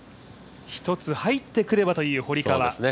１つ入ってくればという堀川。